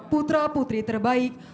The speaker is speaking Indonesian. putra putri terbaik